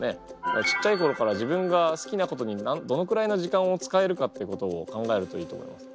ちっちゃい頃から自分が好きなことにどのくらいの時間を使えるかっていうことを考えるといいと思います。